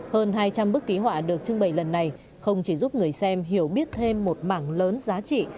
hơn hai trăm linh bức ký họa được trưng bày lần này không chỉ giúp người xem hiểu biết thêm một mảng lớn giá trị